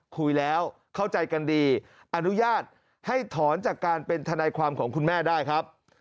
คุยแล้วเข้าใจกันดีอนุญาตให้ถอนจากการเป็นทนายความของคุณแม่ได้ครับ